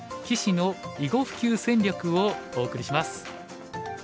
棋士の囲碁普及戦略」をお送りします。